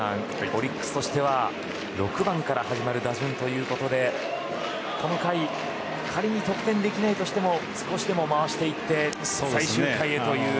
オリックスとしては６番から始まる打順ということでこの回仮に得点できないとしても少しでも回していって最終回へという。